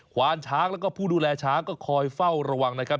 วานช้างแล้วก็ผู้ดูแลช้างก็คอยเฝ้าระวังนะครับ